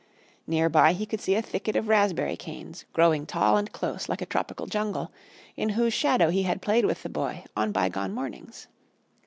Near by he could see the thicket of raspberry canes, growing tall and close like a tropical jungle, in whose shadow he had played with the Boy on bygone mornings.